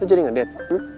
lo jadi ngedat